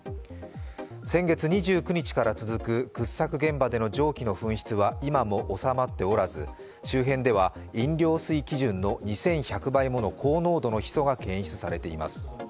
先月２９日から続く掘削現場での蒸気の噴出は今も収まっておらず周辺では飲料水基準の２１００倍もの高濃度のヒ素が検出されています。